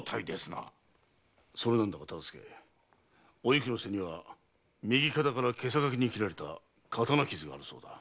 それなんだが忠相おゆきの背には右肩から袈裟懸けに斬られた刀傷があるそうだ。